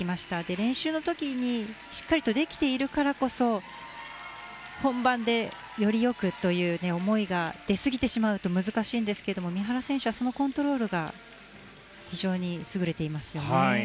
練習の時にしっかりできているからこそ本番でより良くという思いが出すぎてしまうと難しいんですが三原選手はそのコントロールが非常に優れていますよね。